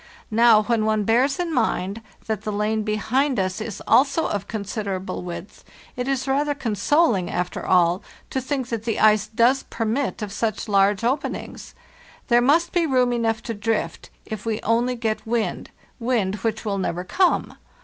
Now, when one bears in mind that the lane behind us is also of considerable width, it is rather consoling, after all, to think that the ice does permit of such large openings. There must be room enough to drift, if we only get wind —wind which will never come.